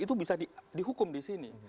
itu bisa dihukum di sini